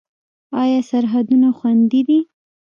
آیا سرحدونه خوندي دي؟